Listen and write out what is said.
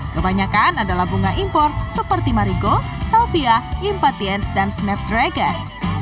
kebanyakan adalah bunga import seperti marigo salvia impatiens dan snapdragon